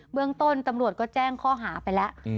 เมืองต้นตำรวจก็แจ้งข้อหาไปแล้ว